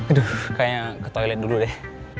aduh kayaknya ke toilet dulu deh